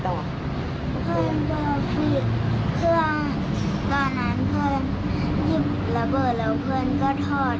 ครับก็เดินไม่ได้